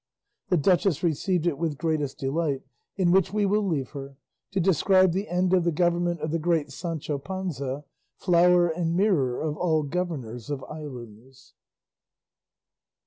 The duchess received it with greatest delight, in which we will leave her, to describe the end of the government of the great Sancho Panza, flower and mirror of all governors of islands.